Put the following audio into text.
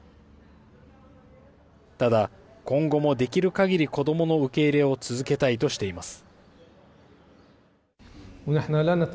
ただ、今後もできるかぎり子どもの受け入れを続けたいとしています。